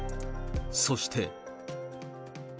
そして。